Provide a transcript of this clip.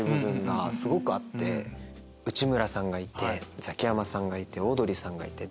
内村さんがいてザキヤマさんがいてオードリーさんがいて。